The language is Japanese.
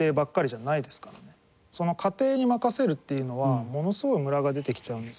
その家庭に任せるっていうのはものすごいムラが出てきちゃうんです。